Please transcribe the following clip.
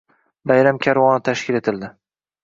«Bayram karvoni» tashkil etildi